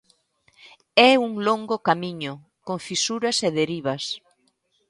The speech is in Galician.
É un longo camiño, con fisuras e derivas.